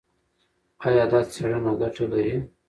ایا دا څېړنه ګټه لري؟